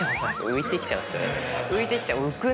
浮いてきちゃう。